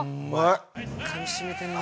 かみしめてるな。